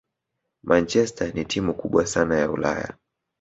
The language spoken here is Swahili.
Manchester ni timu kubwa sana Ulaya